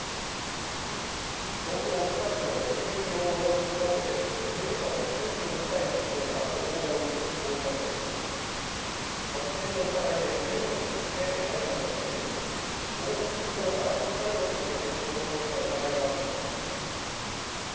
東京北区の特別養護老人ホームで入所者の９２歳の女性が暴行を受け死亡した事件で殺人の疑いで全国に指名手配された職員が東北地方から北海道にかけて逃走した疑いのあることが分かりました。